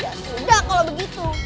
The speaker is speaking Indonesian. ya sudah kalau begitu